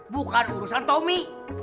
bukan urusan tommy